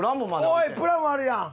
おいプラモあるやん！